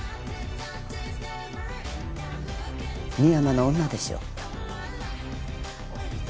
深山の女でしょう。